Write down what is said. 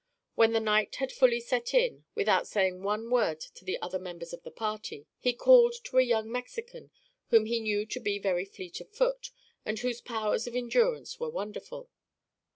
When the night had fully set in, without saying one word to the other members of the party, he called to a young Mexican whom he knew to be very fleet of foot and whose powers of endurance were wonderful.